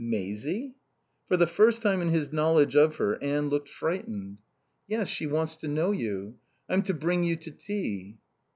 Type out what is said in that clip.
"Maisie?" For the first time in his knowledge of her Anne looked frightened. "Yes. She wants to know you. I'm to bring you to tea."